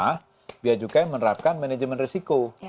karena biaya cukai menerapkan manajemen resiko